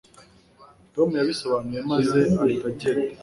tom yabisobanuye maze ahita agenda